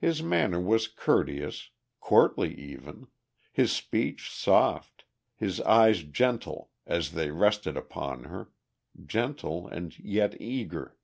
His manner was courteous, courtly even, his speech soft, his eyes gentle as they rested upon her, gentle and yet eager.